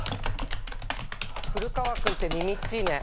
古川君ってみみっちいね。